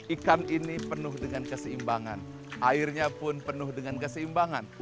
ikan ini penuh dengan keseimbangan airnya pun penuh dengan keseimbangan